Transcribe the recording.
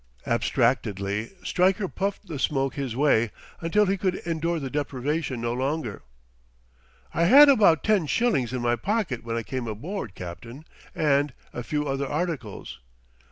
Abstractedly Stryker puffed the smoke his way until he could endure the deprivation no longer. "I had about ten shillings in my pocket when I came aboard, captain, and ... a few other articles."